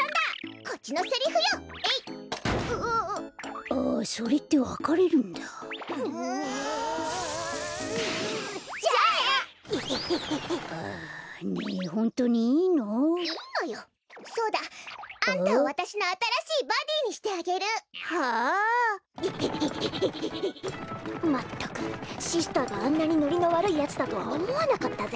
こころのこえまったくシスターがあんなにノリのわるいやつだとはおもわなかったぜ。